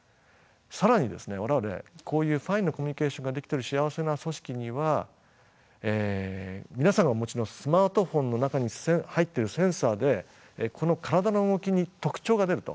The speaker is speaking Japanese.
更に我々こういうＦＩＮＥなコミュニケーションができている幸せな組織には皆さんがお持ちのスマートフォンの中に入っているセンサーでこの体の動きに特徴が出ると。